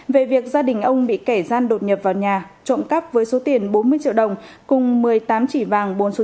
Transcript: về việc gia đình ông bị kẻ gian đột nhập vào nhà trộm cắp với số tiền bốn mươi triệu đồng cùng một mươi tám chỉ vàng bốn số